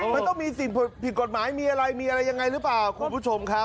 มันต้องมีสิ่งผิดกฎหมายมีอะไรอีกร้าแปะ